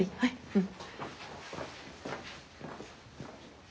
うん。